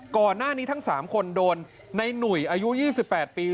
ก่อนหน้านี้ทั้ง๓คนโดนในหนุ่ยอายุ๒๘ปี